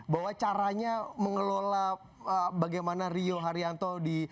bahwa caranya mengelola bagaimana rio haryanto di